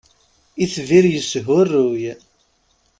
Itbir yeshuruy.